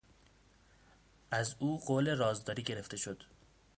از او قول رازداری گرفته شد.